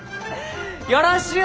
よろしゅう